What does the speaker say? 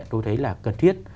tôi thấy là cần thiết